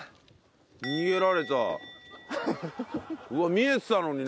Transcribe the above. うわ見えてたのにね。